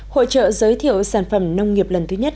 hội trợ giới thiệu sản phẩm nông nghiệp lần thứ nhất